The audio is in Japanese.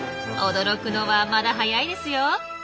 驚くのはまだ早いですよ。